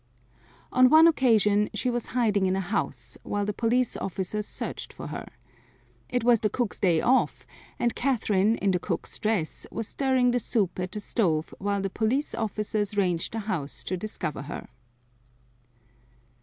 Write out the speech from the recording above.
On one occasion she was hiding in a house, while the police officers searched for her. It was the cook's day off, and Catherine, in the cook's dress, was stirring the soup at the stove while the police officers ranged the house to discover her.